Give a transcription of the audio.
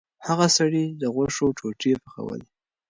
هغه سړي د غوښو ټوټې پخولې.